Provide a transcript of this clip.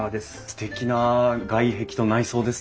すてきな外壁と内装ですね。